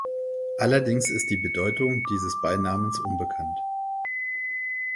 Allerdings ist die Bedeutung dieses Beinamens unbekannt.